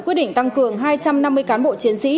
quyết định tăng cường hai trăm năm mươi cán bộ chiến sĩ